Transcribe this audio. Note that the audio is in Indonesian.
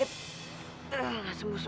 resep banget sih lebih nyakit